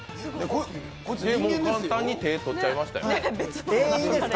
簡単に手、取っちゃいましたよ。